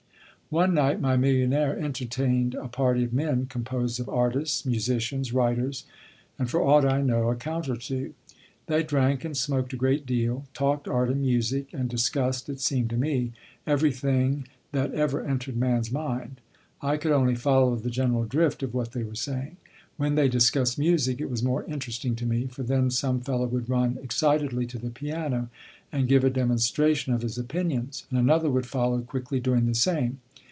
One night my millionaire entertained a party of men composed of artists, musicians, writers, and, for aught I know, a count or two. They drank and smoked a great deal, talked art and music, and discussed, it seemed to me, everything that ever entered man's mind. I could only follow the general drift of what they were saying. When they discussed music, it was more interesting to me; for then some fellow would run excitedly to the piano and give a demonstration of his opinions, and another would follow quickly, doing the same.